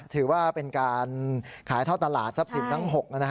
ถือว่าเป็นการขายเท่าตลาดสับสิบทั้งหก